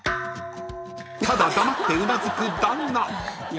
［ただ黙ってうなずく旦那］